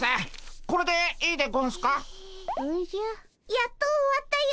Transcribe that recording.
やっと終わったよ。